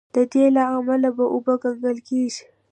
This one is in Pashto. د دې له امله به اوبه کنګل کیږي.